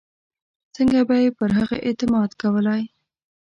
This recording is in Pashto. څنګه به یې پر هغه اعتماد کولای.